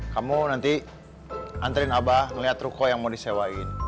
kamu nanti anterin abah ngeliat rupo yang mau disewain